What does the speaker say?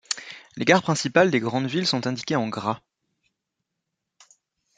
Les gares principales des grandes villes sont indiquées en gras.